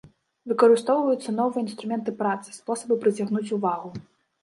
Выкарыстоўваюцца новыя інструменты працы, спосабы прыцягнуць увагу.